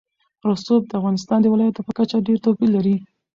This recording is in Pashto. رسوب د افغانستان د ولایاتو په کچه ډېر توپیر لري.